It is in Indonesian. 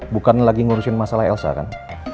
bukan lagi ngurusin masalah elsa kan